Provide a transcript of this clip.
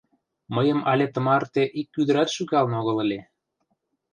Мыйым але тымарте ик ӱдырат шӱкалын огыл ыле.